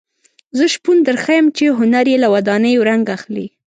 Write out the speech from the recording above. زه شپون درښیم چې هنر یې له ودانیو رنګ اخلي.